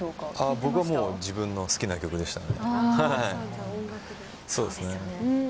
僕はもう自分の好きな曲でしたね。